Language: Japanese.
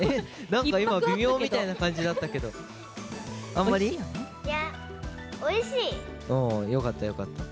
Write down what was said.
なんか今、微妙みたいな感じだったけど、あんまり？いや、よかった、よかった。